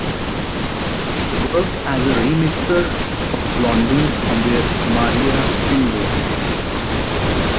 He worked as a remixer, for Blondie on their "Maria" single".